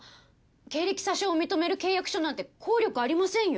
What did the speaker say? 経歴詐称を認める契約書なんて効力ありませんよ